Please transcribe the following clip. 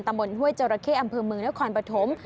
ตะหม่นห้วยเจ้าระเข้อำเภอมือนครปฐม